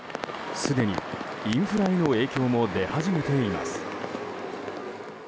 すでにインフラへの影響も出始めています。